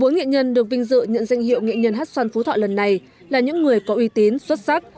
bốn nghệ nhân được vinh dự nhận danh hiệu nghệ nhân hát xoan phú thọ lần này là những người có uy tín xuất sắc